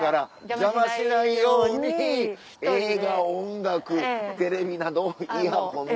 邪魔しないように映画音楽テレビなどをイヤホンで。